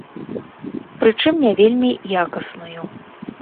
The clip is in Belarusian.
Прычым, не вельмі якасную.